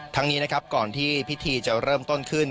นี้นะครับก่อนที่พิธีจะเริ่มต้นขึ้น